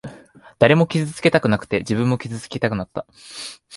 誰も傷つけたくなくて、自分も傷つきたくなかった。